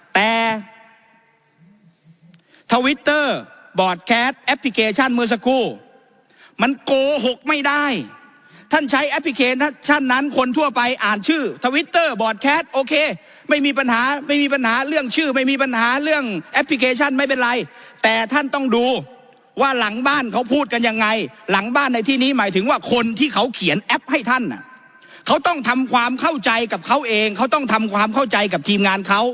แต่ทวิตเตอร์บอร์ดแคสแอปพลิเคชันเมื่อสักครู่มันโกหกไม่ได้ท่านใช้แอปพลิเคชันนั้นคนทั่วไปอ่านชื่อทวิตเตอร์บอร์ดแคสโอเคไม่มีปัญหาไม่มีปัญหาเรื่องชื่อไม่มีปัญหาเรื่องแอปพลิเคชันไม่เป็นไรแต่ท่านต้องดูว่าหลังบ้านเขาพูดกันยังไงหลังบ้านในที่นี้หมายถึงว่าคนที่เขาเขียนแอปให้ท่านอ